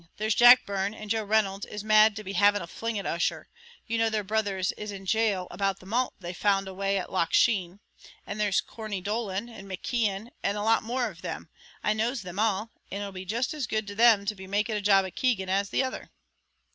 There's Jack Byrne and Joe Reynolds is mad to be having a fling at Ussher; you know their brothers is in gaol about the malt they found away at Loch Sheen; and there's Corney Dolan, and McKeon, and a lot more of them; I knows them all, and it'll be jist as good to them to be making a job of Keegan, as the other."